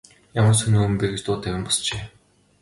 Ямар сонин хүн бэ гэж дуу тавин босжээ.